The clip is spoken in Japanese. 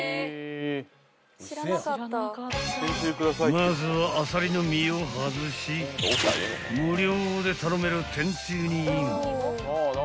［まずはあさりの身を外し無料で頼める天つゆにイン］